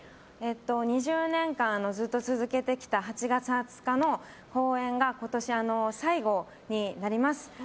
２０年間ずっと続けてきた８月２０日の公演が今年最後になります。